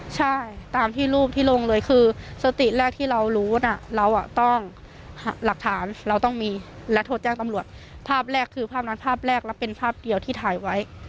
ใช่ตามที่รูปที่ลงเลยคือสติแรกที่เรารู้นะเราต้องหลักฐานเราต้องมีและโทรแจ้งตำรวจภาพแรกคือภาพนั้นภาพแรกและเป็นภาพเดียวที่ถ่ายไว้